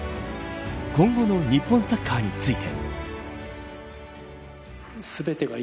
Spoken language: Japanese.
今後の日本サッカーについて。